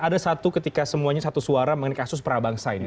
ada satu ketika semuanya satu suara mengenai kasus prabangsa ini